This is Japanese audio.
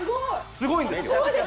すごいんですよ。